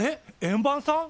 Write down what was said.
円盤さん？